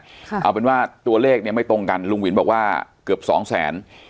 เอาเป็นว่าตัวเลขเนี่ยไม่ตรงกันลุงวินบอกว่าเกือบสองแสน